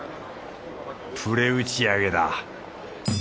プレ打ち上げだ。